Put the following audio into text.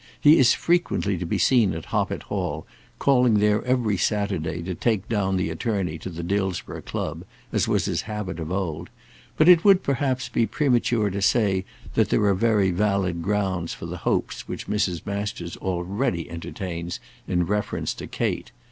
He is frequently to be seen at Hoppet Hall, calling there every Saturday to take down the attorney to the Dillsborough club, as was his habit of old; but it would perhaps be premature to say that there are very valid grounds for the hopes which Mrs. Masters already entertains in reference to Kate.